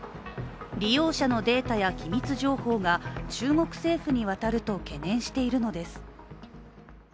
利用者のデータや機密情報が中国政府に渡ると懸念しているのです。